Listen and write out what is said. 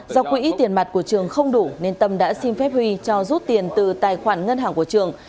do quỹ tiền mặt của trường không đủ nên tâm đã xin phép huy cho rút tiền từ tài khoản ngân hàng của trường